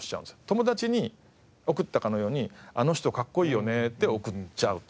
友達に送ったかのように「あの人かっこいいよね」って送っちゃうと。